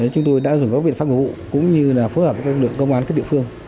chúng tôi đã dùng các biện pháp ngụ vụ cũng như là phối hợp với công an các địa phương